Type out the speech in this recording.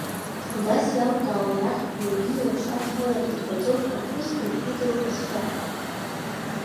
Убас иалкаау рахьтә уаҩ илаԥш адхалартә иҟаҵоуп аԥҳәыс Горпина лхаҿсахьа.